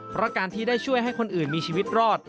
เพราะการที่ได้ช่วยให้คนอื่นมีชีวิตรอด